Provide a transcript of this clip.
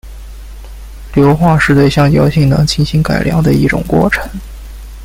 硫化是对橡胶性能进行改良的一种过程。